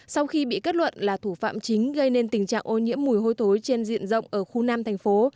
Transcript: sau khi bị kết luận là thủ phạm chính gây nên tình trạng ô nhiễm mùi hôi tối trên diện rộng ở khu nam thành phố